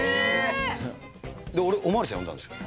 で、俺、お巡りさん呼んだんですよ。